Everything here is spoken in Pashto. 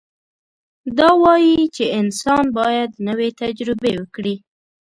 دا وایي چې انسان باید نوې تجربې وکړي.